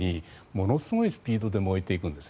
ものすごいスピードで燃えていくんです。